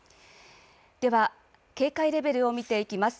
では警戒レベルを見ていきます。